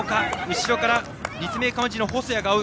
後ろから立命館宇治の細谷が追う。